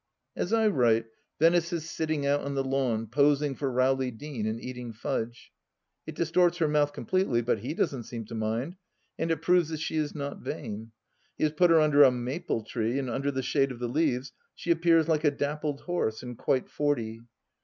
As I write, Venice is sitting out on the lawn, posing for Rowley Deane, and eating fudge. It distorts her mouth completely, but he doesn't seem to mind, and it proves that she is not vain. He has put her under a maple tree, and under the shade of the leaves she appears like a dappled horse, and quite forty.